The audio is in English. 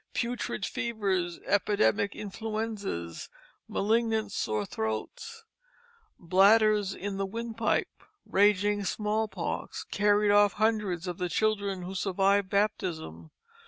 Putrid fevers, epidemic influenzas, malignant sore throats, "bladders in the windpipe," raging small pox, carried off hundreds of the children who survived baptism.